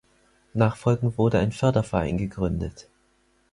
Nachfolgend wurde ein Förderverein gegründet.